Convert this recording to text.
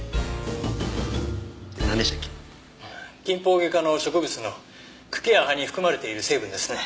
キンポウゲ科の植物の茎や葉に含まれている成分ですね。